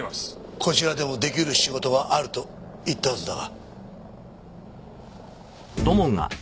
こちらでも出来る仕事はあると言ったはずだが。